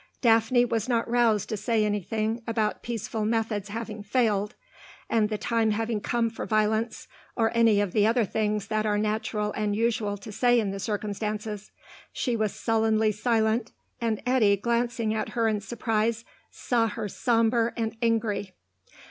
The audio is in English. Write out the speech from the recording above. Daphne was not roused to say anything about peaceful methods having failed, and the time having come for violence, or any of the other things that are natural and usual to say in the circumstances; she was sullenly silent, and Eddy, glancing at her in surprise, saw her sombre and angry.